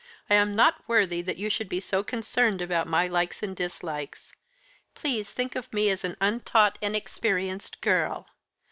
"I am not worthy that you should be so concerned about my likes and dislikes. Please think of me as an untaught inexperienced girl.